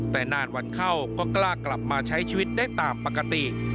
แต่นานวันเข้าก็กล้ากลับมาใช้ชีวิตได้ตามปกติ